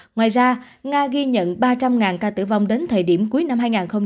ngoài ra nga ghi nhận ba trăm linh ca tử vong đến thời điểm cuối năm hai nghìn hai mươi ba